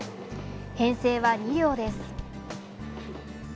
編成は２両です。